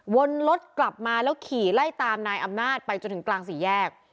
วนรถกลับมาแล้วขี่ไล่ตามนายอำนาจไปจนถึงกลางสี่แยก